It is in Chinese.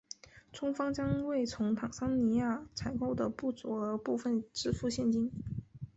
中方将为从坦桑尼亚采购的不足额部分支付现金。